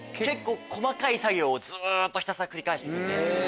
細かい作業をずっとひたすら繰り返してるので。